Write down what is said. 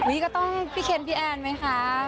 นี่ก็ต้องพี่เคนพี่แอนไหมคะ